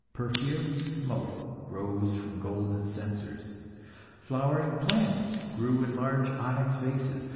Perfumed smoke arose from golden censers. Flowering plants grew in large onyx vases.